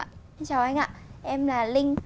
xin chào anh ạ em là linh